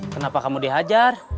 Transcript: kenapa kamu diajar